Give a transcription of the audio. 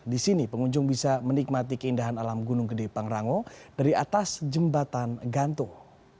di sini pengunjung bisa menikmati keindahan alam gunung gede pangrango dari atas jembatan gantung